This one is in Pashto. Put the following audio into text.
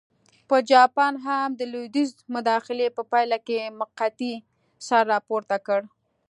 په جاپان هم د لوېدیځ مداخلې په پایله کې مقطعې سر راپورته کړ.